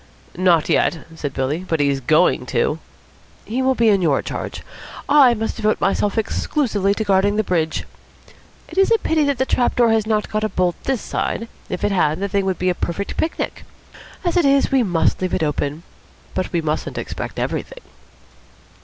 "Not yet," said Billy. "But he's going to." "He will be in your charge. I must devote myself exclusively to guarding the bridge. It is a pity that the trap has not got a bolt this side. If it had, the thing would be a perfect picnic. As it is, we must leave it open. But we mustn't expect everything."